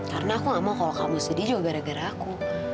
karena aku gak mau kalo kamu sedih juga gara gara aku